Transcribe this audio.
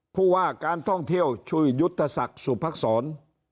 ผู้ว่าการท่องเที่ยวชื่อยุทธศักดิ์สุภักษร